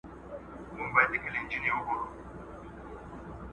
دې د ابوجهل له اعلان سره به څه کوو ..